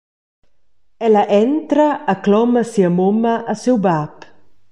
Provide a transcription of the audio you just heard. El entra e cloma sia mumma e siu bab.